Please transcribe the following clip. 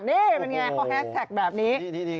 มันอย่างไรเขาแฮคแท็กแบบนี้